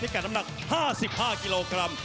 ที่แก่น้ำหนัก๕๕กิโลกรัม